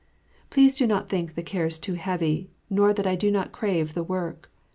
Please do not think the cares too heavy, nor that I do not crave the work.